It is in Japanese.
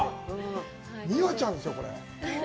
美和ちゃんですよ、これ。